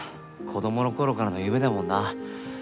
子供の頃からの夢だもんな。